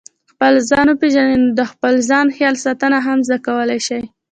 خپل ځان وپېژنئ نو د خپل ځان خیال ساتنه هم زده کولای شئ.